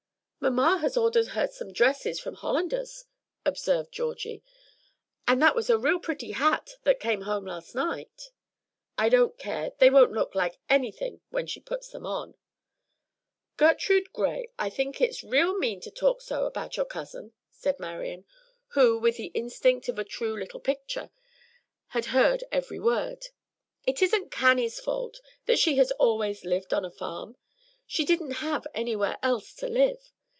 "Mamma has ordered her some dresses from Hollander's," observed Georgie; "and that was a real pretty hat that came home last night." "I don't care. They won't look like anything when she puts them on." "Gertrude Gray, I think it's real mean to talk so about your own cousin," cried Marian, who, with the instinct of a true "little pitcher," had heard every word. "It isn't Cannie's fault that she has always lived on a farm. She didn't have anywhere else to live.